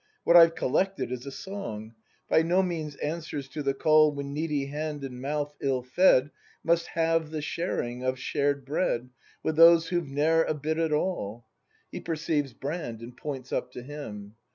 What I've collected is a song, — By no means answers to the call When needy hand and mouth ill fed Must halve the sharing of shared bread With those who've ne'er a bit at all. [He perceives Brand, and points up to him.